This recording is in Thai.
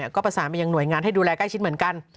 ก็ประสานไปยังหน่วยงานให้ดูแลใกล้ชิดเหมือนกัน